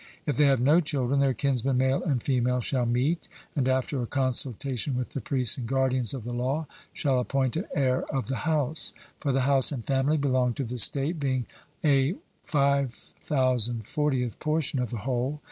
If they have no children, their kinsmen male and female shall meet, and after a consultation with the priests and guardians of the law, shall appoint an heir of the house; for the house and family belong to the state, being a 5040th portion of the whole.